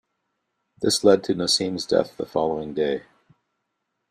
This led to Naseem's death the following day.